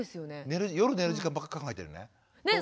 夜寝る時間ばっか考えてるね。